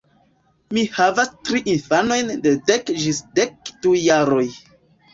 Mi havas tri infanojn de dek ĝis dek du jaroj.